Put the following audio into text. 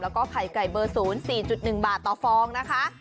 แล้วก็ไข่ไก่เบอร์๐๔๑บาทต่อฟองนะคะ